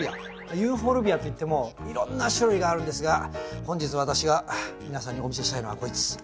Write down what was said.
ユーフォルビアっていってもいろんな種類があるんですが本日私が皆さんにお見せしたいのはこいつ。